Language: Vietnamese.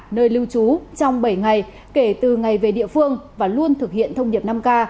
nơi lưu trú trong bảy ngày kể từ ngày về địa phương và luôn thực hiện thông điệp năm k